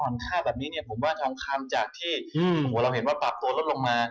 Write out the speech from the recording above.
ค่าแบบนี้เนี่ยผมว่าทองคำจากที่เราเห็นว่าปรับตัวลดลงมา